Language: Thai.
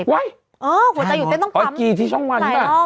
ไอ้ยหัวใจหยุดเต้นต้องปั๊มหลายรอบเหมือนกันอ๋อกีที่ช่องวันหรือเปล่า